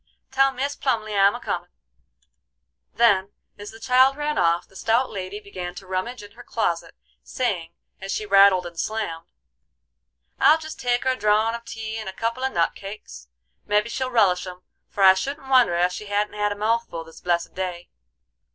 Tell Mis Plumly I'm a comin'." Then, as the child ran off, the stout lady began to rummage in her closet, saying, as she rattled and slammed: "I'll jest take her a drawin' of tea and a couple of nut cakes: mebby she'll relish 'em, for I shouldn't wonder ef she hadn't had a mouthful this blessed day.